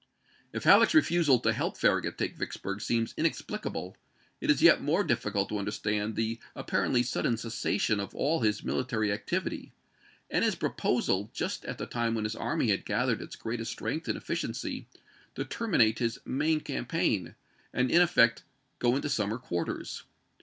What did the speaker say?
If Halleck's refusal to help Farragut take Vicks burg seems inexplicable, it is yet more difficult to understand the apparently sudden cessation of all his military activity, and his proposal, just at the time when his army had gathered its gTeatest strength and efficiency, to terminate his main cam paign, and, in effect, go into summer quarters.